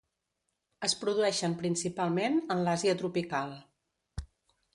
Es produeixen principalment en l'Àsia tropical.